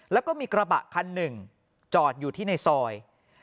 แล้วก็มีกระบะคันหนึ่งจอดอยู่ที่ในซอย